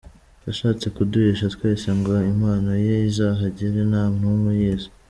Yashatse kuduhisha twese ngo impano ye izahagere nta n’umwe uyizi.